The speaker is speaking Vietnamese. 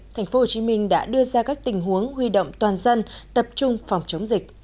thành phố hồ chí minh đã đưa ra các tình huống huy động toàn dân tập trung phòng chống dịch